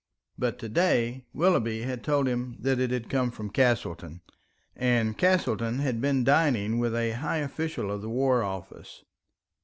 But to day Willoughby had told him that it had come from Castleton, and Castleton had been dining with a high official of the War Office.